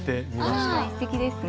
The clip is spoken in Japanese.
すてきですね。